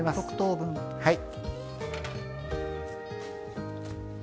はい。